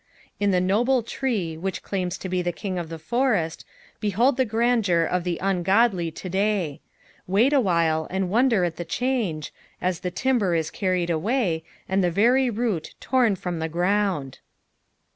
In ihe noble tree, which claims to be king of tiio ioreiit, behold the grandeur of the ungodl; to da; ; wait awhile and wonder at the change, as the timber is carried awa;, and the very root torn from the ground.